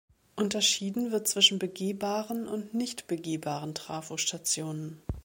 Unterschieden wird zwischen begehbaren und nicht begehbaren Trafostationen.